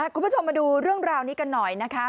คุณผู้ชมมาดูเรื่องราวนี้กันหน่อยนะคะ